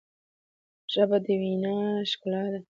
ژبه د وینا ښکلا ده.